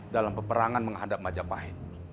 dalam peperangan menghadap majapahit